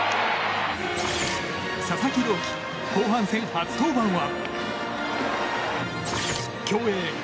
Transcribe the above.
佐々木朗希、後半戦初登板は？